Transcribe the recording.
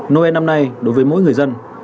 noel năm nay đối với mỗi người dân